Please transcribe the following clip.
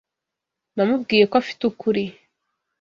Namubwiye ko afite ukuri.